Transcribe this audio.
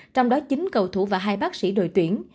trong đó chín cầu thủ và hai bác sĩ đội tuyển